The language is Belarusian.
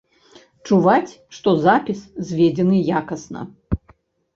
Чуваць, што запіс зведзены якасна.